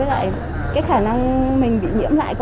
với lại cái khả năng mình bị nhiễm lại có thể có